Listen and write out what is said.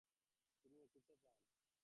তিনি নেতৃত্ব পান।